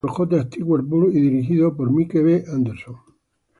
Fue escrito por J. Stewart Burns y dirigido por Mike B. Anderson.